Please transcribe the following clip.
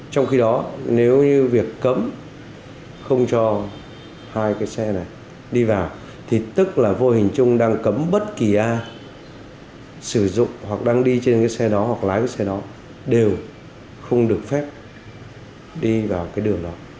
trong khi đó nếu như việc cấm không cho hai cái xe này đi vào thì tức là vô hình chung đang cấm bất kỳ ai sử dụng hoặc đang đi trên cái xe đó hoặc lái cái xe đó đều không được phép đi vào cái đường đó